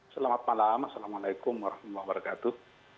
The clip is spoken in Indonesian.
selamat malam assalamualaikum wr wb